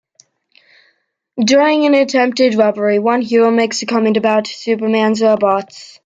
During an attempted robbery, one hero makes a comment about "Superman's robots".